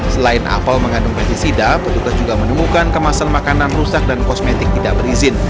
selain apel mengandung peticida petugas juga menemukan kemasan makanan rusak dan kosmetik tidak berizin